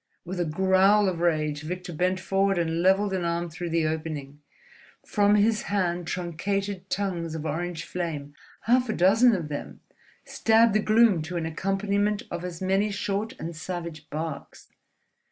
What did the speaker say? With a growl of rage, Victor bent forward and levelled an arm through the opening. From his hand truncated tongues of orange flame, half a dozen of them, stabbed the gloom to an accompaniment of as many short and savage barks.